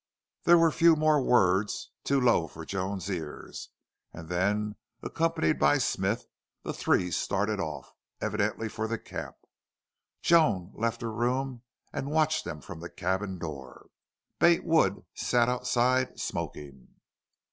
There were a few more words, too low for Joan's ears, and then, accompanied by Smith, the three started off, evidently for the camp. Joan left her room and watched them from the cabin door. Bate Wood sat outside smoking.